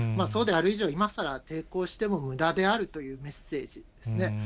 そうである以上、いまさら抵抗しても無駄であるというメッセージですね。